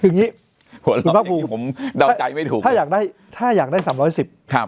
ถึงงี้ผมเดาใจไม่ถูกถ้าอยากได้ถ้าอยากได้สามร้อยสิบ